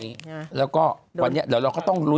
ก็คือเขาอาจจะเป็นคนไปเปิดตอนนั้นเขาก็เซ็นของเขาเลย